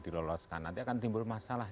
diloloskan nanti akan timbul masalah